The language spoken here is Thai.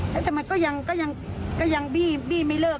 แต่มันก็ยังบี้ไม่เลิก